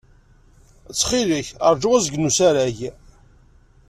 Ttxil-k, ṛju azgen n usrag.